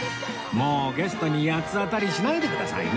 もうゲストに八つ当たりしないでくださいね！